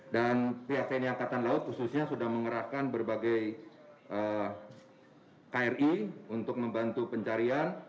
dan pihak tni angkatan laut khususnya sudah mengerahkan berbagai kri untuk membantu pencarian